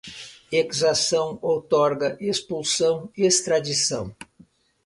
exação, outorga, expulsão, extradição